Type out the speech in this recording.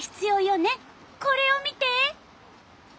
これを見て！